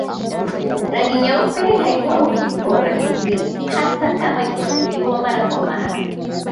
Rangi nyeupe haipauki kwa urahisi hata kama ikifuliwa mara kwa mara